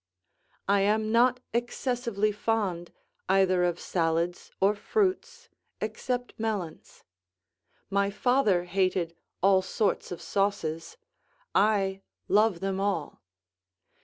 I am not excessively fond either of salads or fruits, except melons. My father hated all sorts of sauces; I love them all.